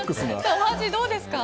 お味はどうですか？